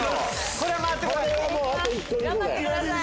これは回って来ない。